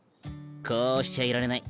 こうしちゃいられない。